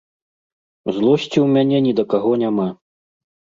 Злосці ў мяне ні да каго няма.